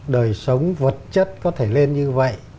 đời sống vật chất có thể lên như vậy